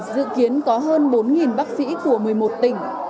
dự kiến có hơn bốn bác sĩ của một mươi một tỉnh